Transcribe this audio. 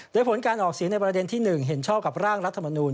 โดยผลการออกเสียงในประเด็นที่๑เห็นชอบกับร่างรัฐมนูล